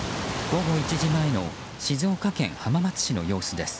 午後１時前の静岡県浜松市の様子です。